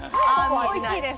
おしいです。